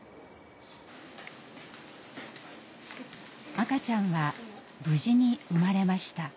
赤ちゃんは無事に産まれました。